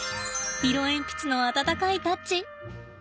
色鉛筆の温かいタッチ。